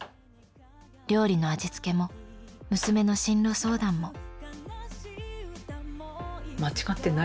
料理の味付けも娘の進路相談も。